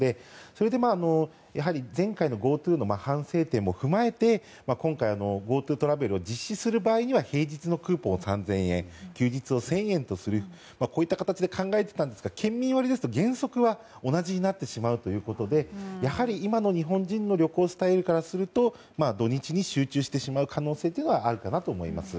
それでやはり前回のＧｏＴｏの反省点も踏まえて今回はＧｏＴｏトラベルを実施する場合には平日のクーポンを３０００円休日を１０００円とするこういった形で考えていたんですけど県民割だと原則は同じになってしまうということでやはり今の日本人の旅行スタイルからすると土日に集中してしまう可能性はあるかなと思います。